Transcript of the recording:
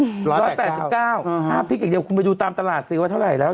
ถ้าพริกอย่างเดียวคุณไปดูตามตลาดสิว่าเท่าไหร่แล้ว